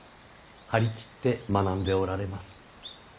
張り切って学んでおられます。